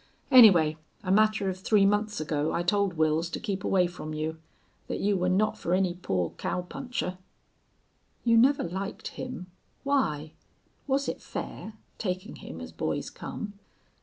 Anyway, a matter of three months ago I told Wils to keep away from you thet you were not fer any poor cowpuncher." "You never liked him. Why? Was it fair, taking him as boys come?"